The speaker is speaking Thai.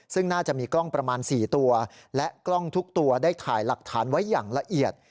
ซึ่งน่าจะมีกล้องประมาณ๔ตัวและกล้องทุกตัวได้ถ่ายหลักฐานไว้อย่างละเอียด